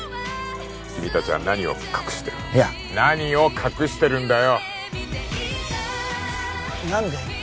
君達は何を隠してるいや何を隠してるんだよ